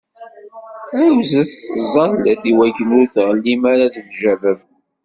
Ɛiwzet, ẓẓallet, iwakken ur tɣellim ara deg ujeṛṛeb!